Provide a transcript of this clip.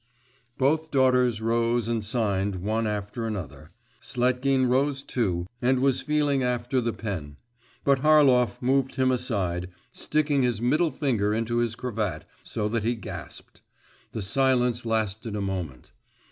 Both daughters rose, and signed one after another. Sletkin rose too, and was feeling after the pen, but Harlov moved him aside, sticking his middle finger into his cravat, so that he gasped. The silence lasted a moment.